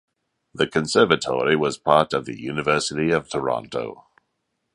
The Conservatory was part of the University of Toronto.